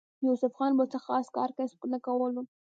يوسف خان به څۀ خاص کار کسب نۀ کولو